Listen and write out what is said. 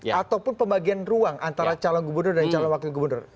ataupun pembagian ruang antara calon gubernur dan calon wakil gubernur